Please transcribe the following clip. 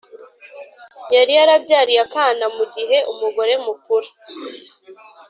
yari yarambyariye akana mu gihe umugore mukuru